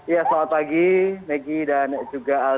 ya selamat pagi maggie dan juga aldi